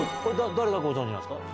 誰がご存じなんですか？